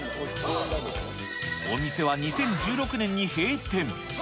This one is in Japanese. お店は２０１６年に閉店。